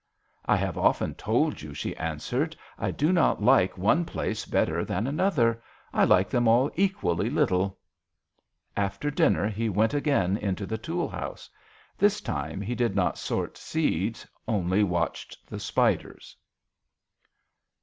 " I have often told you," she answered, " I do not like one place better than another. I like them all equally little." After dinner he went again into the tool house. This time he did not sort seeds only watched the spiders.